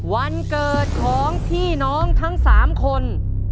วันเกิดของพี่น้องทั้ง๓คน